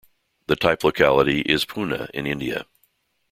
The type locality is Pune in India.